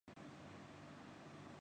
امیر Muawiya کاتبین وحی میں سے تھے